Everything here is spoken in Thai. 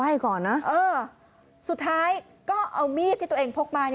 ให้ก่อนนะสุดท้ายก็เอามีดที่ตัวเองพกมา